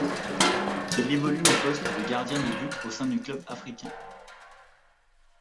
Il évolue au poste de gardien de but au sein du Club africain.